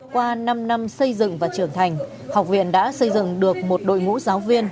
qua năm năm xây dựng và trưởng thành học viện đã xây dựng được một đội ngũ giáo viên